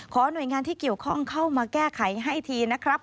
หน่วยงานที่เกี่ยวข้องเข้ามาแก้ไขให้ทีนะครับ